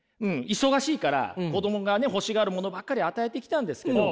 忙しいから子供が欲しがるものばっかり与えてきたんですけど